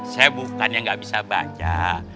saya bukannya gak bisa baca